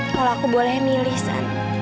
kalau aku boleh nih riza